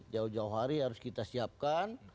jauh jauh hari harus kita siapkan